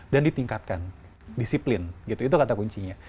dan ditingkatkan disiplin gitu itu kata kuncinya